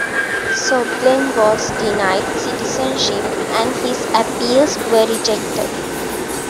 Soblen was denied citizenship, and his appeals were rejected.